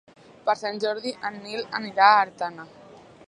Per Sant Jordi en Nil anirà a Artana.